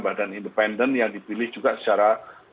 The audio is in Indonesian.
badan independen yang dipilih juga secara